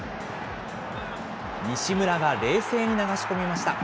西村が冷静に流し込みました。